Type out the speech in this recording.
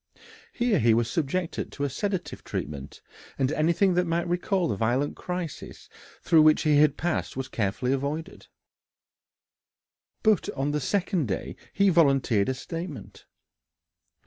Here he was subjected to a sedative treatment, and anything that might recall the violent crisis through which he had passed was carefully avoided. But on the second day he volunteered a statement.